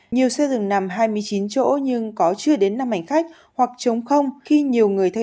nhiều xe dừng nằm hai mươi chín chỗ nhưng có chưa đến năm hành khách hoặc chống không khi nhiều người theo